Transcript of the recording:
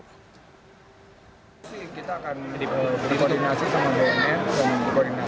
pemerintah provinsi menanggung penggerbekan narkotika nasional dan provinsi dki jakarta